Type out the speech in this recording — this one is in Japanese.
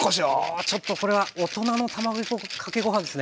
ちょっとこれは大人の卵かけご飯ですね。